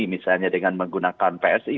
misalnya dengan menggunakan psi